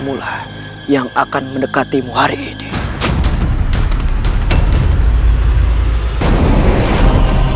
bukankan kau tetapi merekanya